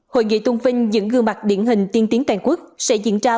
hội nghị tôn vinh những gương mặt điển hình tiên tiến toàn quốc sẽ diễn ra